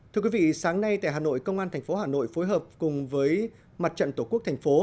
thưa quý vị sáng nay tại hà nội công an thành phố hà nội phối hợp cùng với mặt trận tổ quốc thành phố